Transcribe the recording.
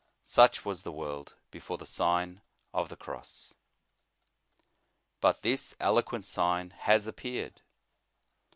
Such was the world before the Sign of the Cross. But this eloquent Sign has appeared.